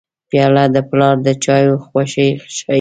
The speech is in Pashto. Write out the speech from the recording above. پیاله د پلار د چایو خوښي ښيي.